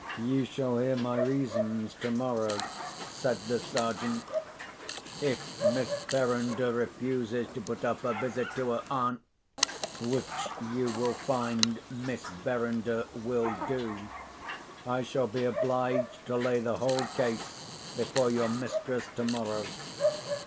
"You shall hear my reasons tomorrow," said the Sergeant. "If Miss Verinder refuses to put off her visit to her aunt (which you will find Miss Verinder will do), I shall be obliged to lay the whole case before your mistress tomorrow.